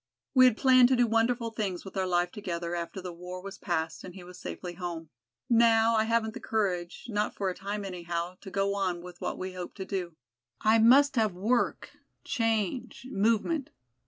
We had planned to do wonderful things with our life together after the war was past and he was safely home. Now, I haven't the courage, not for a time anyhow, to go on with what we hoped to do. I must have work, change, movement.